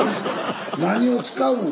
何を使うの？